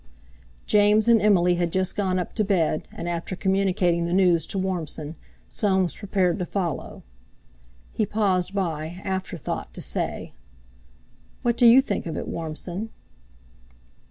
James and Emily had just gone up to bed, and after communicating the news to Warmson, Soames prepared to follow. He paused by after thought to say: "What do you think of it, Warmson?"